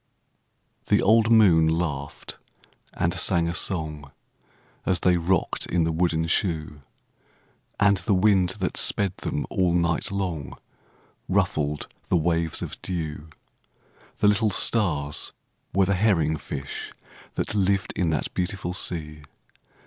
The old moon laughed and sang a song, As they rocked in the wooden shoe; And the wind that sped them all night long Ruffled the waves of dew; The little stars were the herring fish That lived in the beautiful sea.